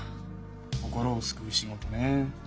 「心を救う仕事」ねえ。